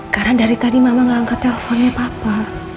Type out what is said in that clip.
karena dari tadi mama gak angkat teleponnya papa